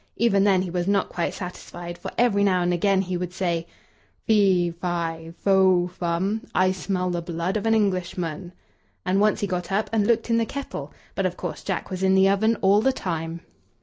Even then he was not quite satisfied, for every now and again he would say: "Fee, fi, fo, fum, I smell the blood of an Englishman;" and once he got up and looked in the kettle. But, of course, Jack was in the oven all the time!